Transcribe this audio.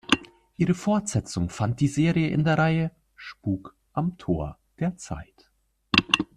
Ihre Fortsetzung fand die Serie in der Reihe "Spuk am Tor der Zeit".